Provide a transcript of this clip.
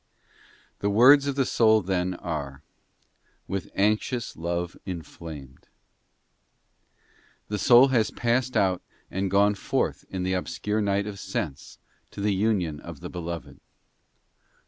The words of the soul then are 'with anxious love in flamed.' The soul has passed out and gone forth in the obscure night of sense to the union of the Beloved.